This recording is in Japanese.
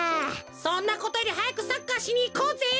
そんなことよりはやくサッカーしにいこうぜ！